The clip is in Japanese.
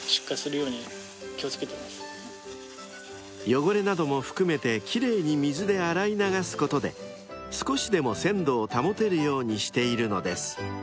［汚れなども含めて奇麗に水で洗い流すことで少しでも鮮度を保てるようにしているのです］